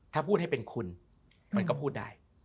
ถ้าพูดให้เป็นคุณมันก็พูดได้